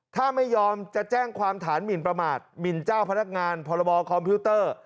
ถ้าไม่ยอมจะแจ้งความฐานหมินประมาทหมินเจ้าพนักงานพรบคอมพิวเตอร์